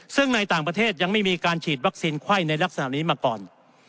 ซึ่งในต่างประเทศยังไม่มีการฉีดวัคซีนไข้ในลักษณะนี้มาก่อน